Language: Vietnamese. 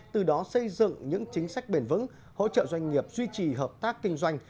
từ đó xây dựng những chính sách bền vững hỗ trợ doanh nghiệp duy trì hợp tác kinh doanh